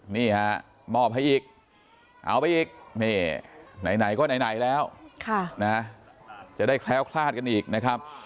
นี่ฮะมอบให้อีกเอาไปอีกนี่ไหนก็ไหนแล้วจะได้แคล้วคลาดกันอีกนะครับ